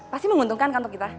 pasti menguntungkan kantor kita